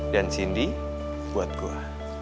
dan cindy buat gue